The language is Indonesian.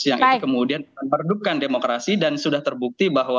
yang ini kemudian meredupkan demokrasi dan sudah terbukti bahwa